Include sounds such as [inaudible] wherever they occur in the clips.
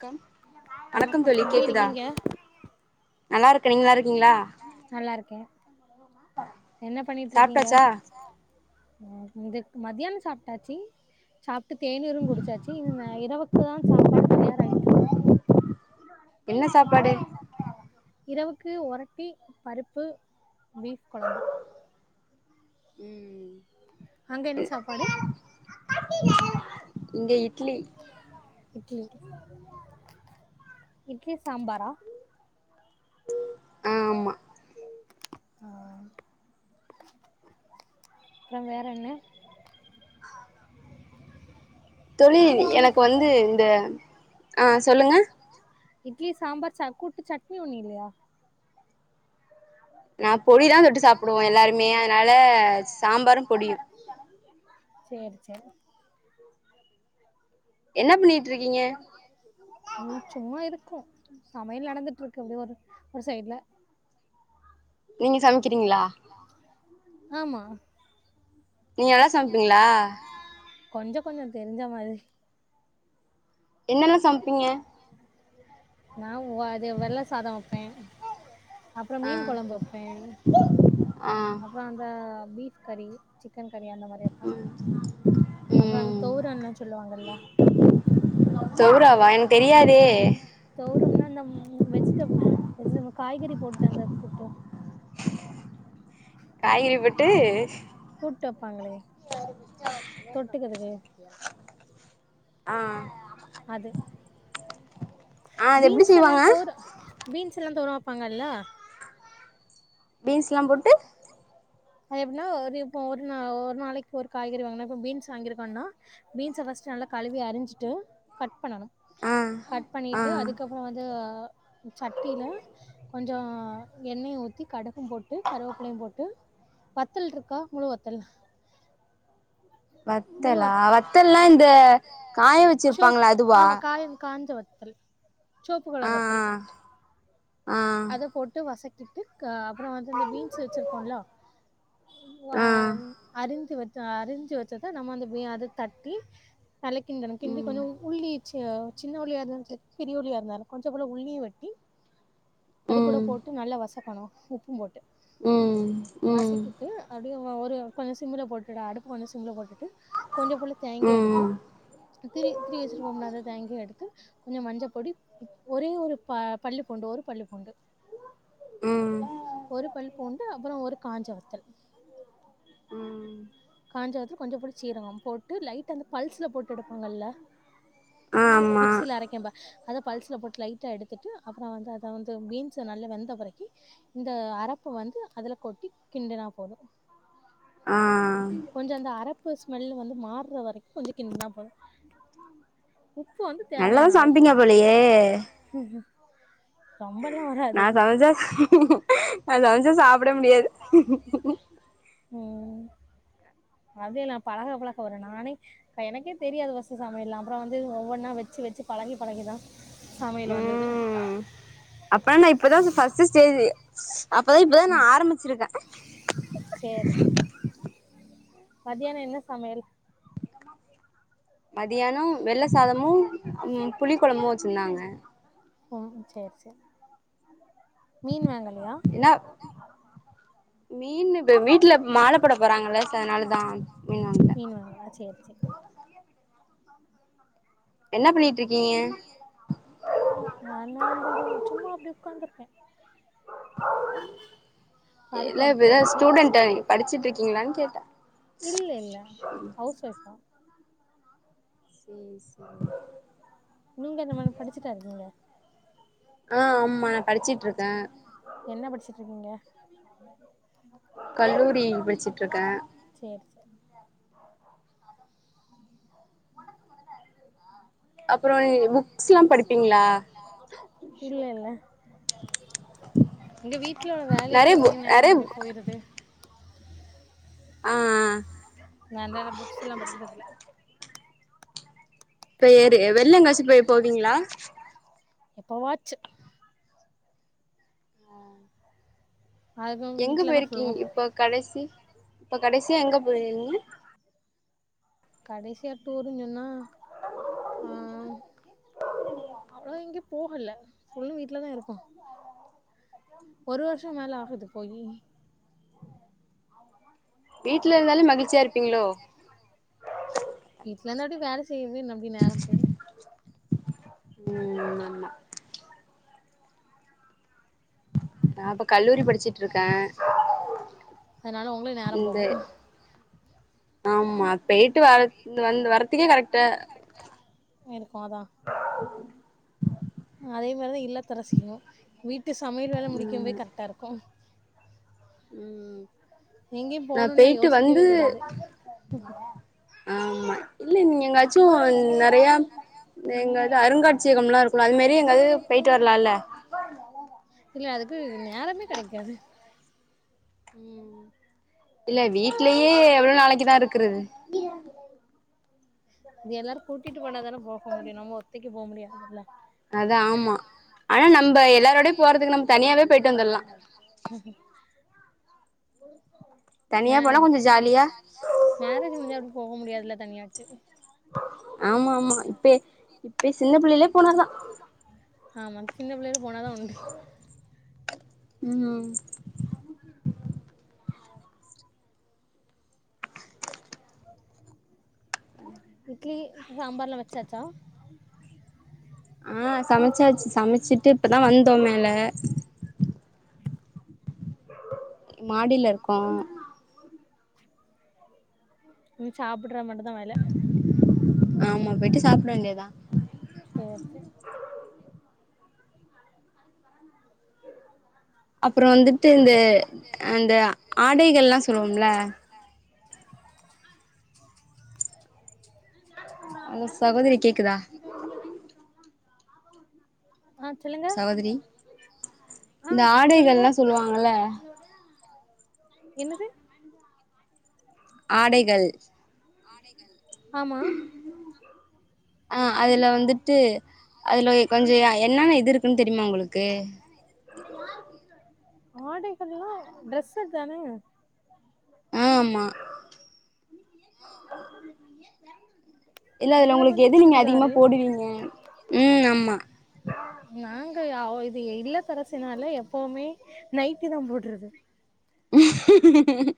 come வணக்கம் தோழி எப்டி கேக்குதா இருக்கீங்க இருக்க நல்லா நீங்க இருக்கிறிங்களா இருக்கீங்களா நீங்க நல்லா இருக்கே என்ன பண்ணிட்டு இருக்கீங்க சாப்ட்டாச்சா சாப்டாச்சா இது மத்யானம் சாப்ட்டாச்சு சாப்ட்டு தேநீரும் குடிச்சாச்சு இனி நை ஆ இரவுக்குதா சாப்பாடு தயாராயிட்டு இருக்கு என்ன சாப்பாடு இரவுக்கு ஒரட்டி பருப்பு பீஃப் கொழம்பு ம் அங்க என்ன சாப்பாடு இங்க இட்லி இட்லி இட்லி சம்பாரா ஆ ஆமா ஆ அப்பறம் வேற என்ன தோழி இட்லி எனக்கு வந்து இந்த ஆ சொல்லுங்க இட்லி சாம்பார் ச கூட்டு சட்னி ஒண்ணு இல்லயா நா பொடிதா தொட்டு சாப்புடுவோ எல்லாருமே அதனால சாம்பாரு பொடியும் சேரி சேரி என்ன பண்ணிட்ருக்கீங்க ம் சும்மா இருக்கோ சமையல் நடந்துட்ருக்கு அப்டே ஒரு ஒரு சைட்ல நீங்க சமைக்கிறீங்ளா ஆமா நீங்க நல்லா சமப்பீங்ளா கொஞ்சோ கொஞ்சோ தெரிஞ்ச மாரி என்னலா சம்ப்பீங்க நா ஒ அது வெள்ள சாதோ வப்பே அப்றோ ஆ மீன் கொழம்பு வப்பே ஆ அப்றோ அந்த பீஃப் கறி சிக்கன் கறி அந்த மாரி வப்பே ம் அப்றோ அந்த ம் தோரான்லா சொல்லுவாங்கல்ல வா என்க் தெரியாதே தோரம்னா அந்த வெஜிடப் வெஜிடப் காய்கறி போட்தந்த கூட்டு காய்கறி கூட்டு வப்பாங்களே சாரி தொட்டுக்கதுக்கு ஆ அது ஆ அது எப்டி பீன்ஸ்ஸெல்லா செய்வாங்க தோர பீன்ஸ்ஸெல்லா தோரோ வப்பாங்கள்ல பீன்ஸ்லா போட்டு அது எப்டின்னா ஒரு இப்ப ஒரு நா ஒரு நாளைக்கு ஒரு காய்கறி வாங்னா இப்ப பீன்ஸ் வாங்கிருக்கோனா பீன்ஸ்ஸ ஃபர்ஸ்ட்டு நல்லா கழுவி அரிஞ்சிட்டு கட் பண்ணணு ஆ கட் ஆ பண்ணிட்டு அதுக்கப் றோ வந்து சட்டில கொஞ்சோ எண்ணய்ய ஊத்தி கடுகு போட் டு கருவாப்புல்லயு போட்டு வத்தல்ட்ருக்கா முழு வத்தல் முழு வ வத்தலா வத்தல்லா இந்த காய வச்சிருப்பாங்களா சொவப் க அதுவா ஆமா காய காஞ்ச வ த்தல் சொவப்பு ஆ கலர் வத்தல் ஆ அத ஆ போட்டு வசக்கிட்டு க அப்றோ வந்து இந்த பீன்ஸ் வச்சிருக்கோலா வ ஆ அரிஞ்சு வச்ச அரிஞ்சு வச்சத நம்ம வந்து வெ அத தட்டி களி கிண்டனு கிண்டி ம் கொஞ்சோ உள்ளி சி சின்ன உள்ளியாருந்தாலு சேரி பெரிய உள்ளியாருந்தாலு கொஞ்சோ போல உள்ளியு வெட்டி அதுக்கூட ம் போட்டு நல்லா வசக்கனு உப்பு போட்டு ம் ம் வசக்கிட்டு அப்டே ஒரு கொஞ்சோ சிம்முல போட்டுடா அடுப்ப கொஞ்சோ சிம்ல போட்டுட்டு கொஞ்சோ போல தேங்கேய் ம் எடுத்தும் திரி திரிவி வச்சிருவோம்ல அந்த தேங்கேய் எடுத்து கொஞ்சோ மஞ்சப் பொடி ஒரே ஒரு ப பல்லு பூண்டு ஒரு பல்லு பூண்டு ம் ஒரு பல் பூண்டு அப்றோ ஒரு காஞ்ச வத்தல் ம் காஞ்சவத்தல் கொஞ்சொ போல சீரகம் போட்டு லைட்டா அந்த பல்ஸ்ல போட் டு எடுப்பாங்கல்ல ஆமா மிக்ஸில அரைக்கம்ப அத பல்ஸ்ல போட்டு லைட்டா எடுத்துட்டு அப்றோ வந்து அத வந் து பீன்ஸ நல்லா வெந்த பெறக்கி இந்த அரப்ப வந்து அதுல கொட்டி கிண்டுனா போது ஆ கொஞ்சொ அந்த அரப் பு ஸ்மெல் வந்து மார்ற வரைக்கு கொஞ்சொ கிண்டுனா போது உப்பு வந்து தேவயான நல்லாதா அளவு சமைப்பீங்க போலயே போடனு நா சமச்சா நா சமச்சா சாப்ட முடியாது ம் அதேலா [unintelligible] போற நானே எனக்கே தெரியாது ஃபர்ஸ்சு சமையல்லா அப்புறம் வந்து ஒவ்வொன்னா வெச்சு வெச்சு பழகி பழகிதா சமையல் வந்தது அப்ப நா இப்பதா ஃபர்ஸ்ட்டு ஸ்டேஜீ அப்பதா இப்பதா நா ஆரம்பிச்சிருக்கே சேரி மத்யான என்ன சமையல் மதியானோ வெள்ள சாதமும் ம் புளி குழம்பும் வச்சிருந்தாங்க ஓம் சேர் சேர் மீன் வாங்களியா மீனு வீட்டுல மாலப்போட போறாங்கல ச அதனாலதா மீன் வாங்கல மீன் வாங்கள சேர் சேர் என்ன பண்ணிட்டு இருக்கீங்க ஆ நான் வந்து இது சும்மா அப்டி உக்காந்துருக்கே பருப்பு இல்ல அடுப்புல இப்பதா இருக்கு ஸ்டூடண்ட்டா படிச்சுட்டு இருக்கீங்களான்னு கேட்ட இல்ல இல்ல ஹவுஸ் ஒய்ஃப்தா ம் சேர் நீங்க என்ன மேடம் படிச்சுட்டா இருக்கிங்க ஆ ஆமா நா படிச்சுட்டு இருக்கே என்ன படிசுட்டு இருக்கீங்க கல்லூரி படிசுட்டு இருக்கே சேர் சேர் அப்புறோ புக்ஸ்ல்லா படிப்பீங்களா இல்ல இல்ல எங்க வீட்லோட வேலைக்கு நெறைய பு அப்டனு நேரம் நெறைய அப்டி போயிருது ஆ ஆ நா ந்த புக்ஸ் எல்லாம் படிக்கறதுல பெரு வெள்ளங்காயச்சிட்டு போய் போவீங்களா எப்ப வாச்சு அதுவு எங்க வீட்ல தா போயிருக்கீங்க ஃபுல்லு இப்ப கடைசி இப்ப கடைசியா எங்க போயிருீங்க கடைசியா டூருங்கன்னா ஆஹ அவ்ளோ எங்கயு போகல புள்ள வீட்டுல தான் இருப்பான் ஒரு வர்ஷம் மேல ஆகுது போயி வீட்ல இருந்தாலும் வீட்ல இருந்தா அப்படியே வேல செய்யுது அப்படியே நேரம் போயிடும் உம் ஆமா நன் இப்ப கல்லூரி படிச்ட்டு இருக்கேன் அதனால உங்களு நேரோ இந்த போகு ஆமா போயிட்டு வர வந்து வர்றதுக்கே கரெக்டா இருக்கும் அதான் அதே மாரிதான் இல்லத்தரசியூ வீட்டு சமையல் வேல முடிக்கும் போ ம் கரெக்டா இருக்கும் உம் எங்கயும் போணும்ல்லாம் யோசிக்கவே கூடாது ஆமா இல்ல நீங்க எங்காச் சோ நெறைய எங்கது அருங்காட்சியகம் லாம் இருக்கும் அது மாரி எங்காவது போயிட்டு வரலாம்ல இல்ல அதுக்கு நேரமே கெடைக்காது இல்ல வீட்லயே எவ்வளவு நாளைக்குதான் இருக்றது அது எல்லாரு கூட்டிட்டு போனாதான போக முடியு நம்ம ஒத்தைக்கு போமுடியாதுல்ல அத ஆமா ஆனா நம்ம எல்லாரோடயு போறதுக்கு நம்ம தனியாவே பொய்ட்டு வந்துல்லா ம் மே தனியா போனா கொஞ்சோ ஜாலியா மேரேஜ் முடிஞ்சா அப்டி போக முடியாதுல்ல தனியாட்டு ஆமா ஆமா இப்ப இப்ப சின்ன புள்ளையிலே போனாதா உண்டு ஆமா சின்ன பிள்ளையுள போனாதா உண்டு ம் இட்லி சாம்பார்லா வச்சாச்சா ஆ சமச்சாச்சு சமச்சிட்டு இப்பதா வந்தோ மேல மாடில இருக்கோ மாடியில இருக்கா ம் சாப்புட்ற மட்டு ஆமா பெய்ட்டு சாப்டவேண்டியதா ஓகே ஓகே அப்றோ வந்துட்டு இந்த அந்த ஆடைகள்லா சொல்லுவோம்ல ஹலோ சகோதரி கேக்குதா க்குதா ஆ சொல்லுங்க சகோதரி ஆ இந்த சொல்லுங்க ஆடைகள்லா சொல்லுவாங்கல்ல என்னது [inaudible] ஆடைகள் ஆமா ஆ அதுல வந்துட்டு அதுல கொஞ்சோ என்னன்ன இது இருக்குன்னு தெரியுமா உங்களுக்கு ஆடைகள்ல்னா டரெஸ்ஸூதானே அ ஆமா அ ஆமா இல்ல அதுல உங்களுக்கு வந்து எது நீங்க அதிகமா சுடுதாரு போடுவீங்க ம் ஆமா நாங்கயா இது இல்லத்தரசினால எப்பயுமே நைட்டிதா போட்றது [unintelligible]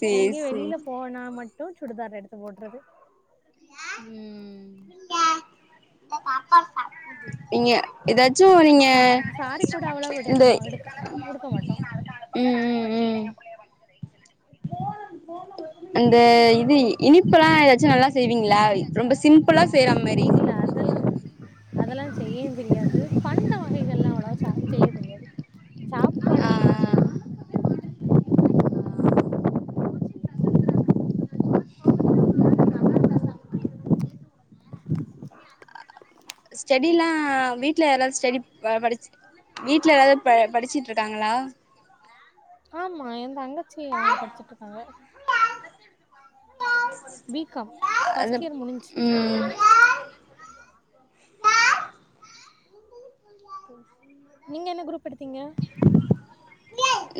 சேரி எங்கயு சேரி வெளில போனா மட்டு சுடுதார் எடுத்து போட்றது ம் நீங்க ஏதாச்சு நீங்க இந்த உடுத்த மாட்டோ ம் ம் ம் [unintelligible] அந்த இது இனிப்பலா ஏதாச்சு நல்லா செய்வீங்ளா ரொம்ப சிம்பிளா செய்ற மாரி இல்ல அதெல்லா அதெல்லா செய்யவு தெரியாது பண்ட வகைகள்லா அவ்ளவா செய்ய தெரியாது சாப்பாடு ஆ மட்டுதா செய்ய தெரியு ஆ [unintelligible] ஸ்டெடிலா அ வீட்ல யாராது ஸ்டடி படிச்சி வீட்ல யாராது ப படிச்ட்டு இருக்காங்களா ஆமா எ தங்கச்சி அவுங்க படிச்சுட்ருக்காங்க பி காம் அது ஃபஸ்ட் இயர் முடிஞ்சு ம் நீங்க என்ன குரூப் எடுத்தீங்க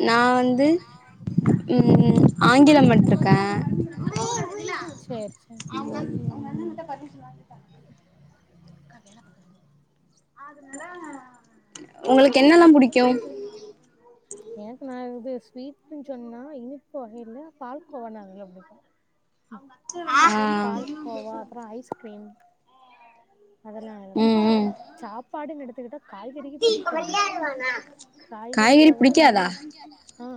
நா வந்து நா வந்து ம் ஆங்கிலம் ம் பட்ருக்கே ஆங்கிலம் எடுத்ருக்க சேர் சேர் உங்க அண்ண கிட்ட [unintelligible] உங்களுக்கு என்னெல்லா புடிக்கு எனக்கு நா இது ஸ்வீடன்னு சொன்னா இனிப்பு வகைல பால்கோவா ந நல்ல புடிக்கு ம் ஆ பால்கோவா அப்ற ஐஸ்கிரீம் அதெல்லா நல்லா ம் புடிக்கு ம் சாப்பாடுன் எடுத்துக்கிட்டா காய்கறி தவர மீதி அ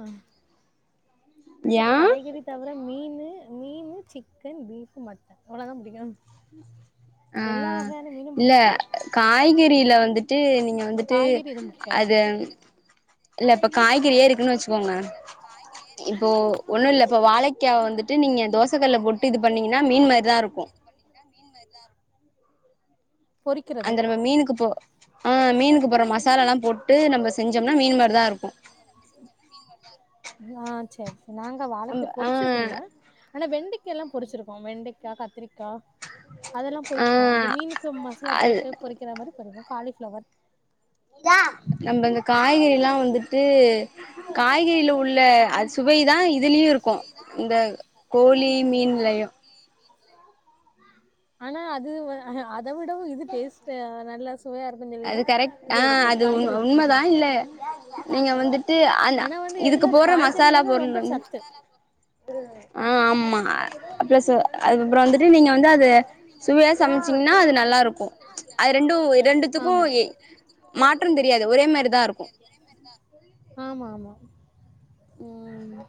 ஏ காய்கறி தவர மீனு மீனு சிக்கன் பீப் மட்டன் அவ்ளோதா புடிக்கு ஆ எல்லா வகையான மீனு இல்ல புடிக்கு காய்கறில வந்துட்டு நீங்க வந்துட்டு காய்கறி எதுவு புடிக்காது அது இல்ல இப் காய்கறியே இருக்குன்னு வச்சுக்கோங்க இப்போ ஒண்ணு இல்ல இப்போ ஒன்னு இல்ல வாழைக்காய வந்துட்டு நீங்க தோச கல்ல போட்டு ட்டு இது பண்ணீங்கன்னா மீன் மாரிதா இருக்கு ன்னா மீன் மாரிதா இருக்கு அந்த நம்ம மீனுக்கு போ ஆ மீனுக்கு போட்ற மசாலால்லா போட்டு நம்ம செஞ்சோம்னா மீன் மாரிதா இருக்கு ஆ சரி சரி நாங்க நம்ம வாழைக்க ஆ பொறுச்சதில்ல ஆனா வெண்டிக்கால்லா பொரிச்சிருக்கோ வெண்டைக்கா கத்திரிக்கா அதெல்லா பொறிப்போ அந்த ஆ மீனுக்கு மசாலா அது போட்டு பொறிக்கிற மாரி பொறிப்போ காலிஃப்ளவர் நம்ம இந்த காய்கறில்லா வந்துட்டு காய்கறில உள்ள அ துவை தா இதுலயு இருக்கு இந்த கோழி மீன்லயு ஆனா அது வ அது அத விடவு இது டேஸ்ட் நல்ல சுவையா இருக்கு அந்த மாரி அது தா கரெக்ட் இது ஆ எடுக்கிறது அது உண் காய்கறி உண்மதா எடுக்கதுல்ல இல்ல நீங்க வந்துட்டு அந்த ஆனா வந்து இதுக்கு எதுல போட்ற மசாலா காய்கறிலதா பொருள் ரொம்ப வந்து சத்து ஆ ஆமா பிளஸ் அதுக்கப்ற வந்துட்டு நீங்க வந்து அத சுவையா சமைச்சீங்கன்னா அது நல்லாருக்கு நல்லாருக்கு த்துக்கு மாற்ற தெரியாது ஒரே மாரி தா இருக்கு ஆமா ஆமா ம்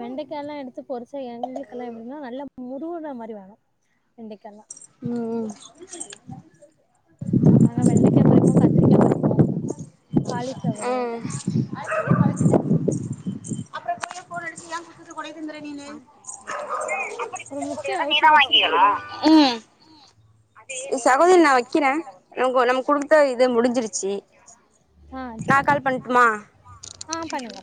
வெண்டக்கால்லா எடுத்து பொறிச்சா எங்களுக்கெல்லா எப்டின்னா நல்லா மொருவுன மாரி வேணு வெண்டக்கால்லா ம் ம் நாங்க வெண்டக்கா பொறிப்போ கத்திரிக்கா பொறிப்போ ஆ காலிஃப்ளவரு ஒரு முட்டைய அவிச்சு பொறிச்சிருக்கீங்களா ம் சகோதரி நா வக்கிற நம்ம நமக்கு குடுத்த இது முடிஞ்சிருச்சு ஆ நா சரி கால் பண்ட்டுமா ஆ பண்ணுங்க